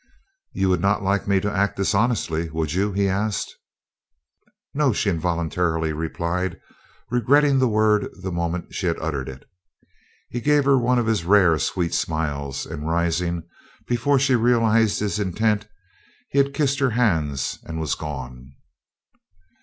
"You would not like me to act dishonestly, would you?" he asked. "No," she involuntarily replied, regretting the word the moment she had uttered it. He gave her one of his rare sweet smiles, and, rising, before she realized his intent, he had kissed her hands and was gone.